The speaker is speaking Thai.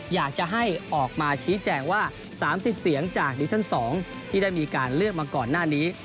อยากจะให้ออกมาชี้แจงว่า๓๐เสียงจากดิวิชั่น๒ที่ได้มีการเลือกมาก่อนหน้านี้